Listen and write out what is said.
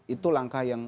itu langkah yang